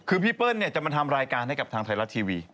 คือพี่เปิ้ลจะมาทำรายการให้กับทางไทยรัฐทีวี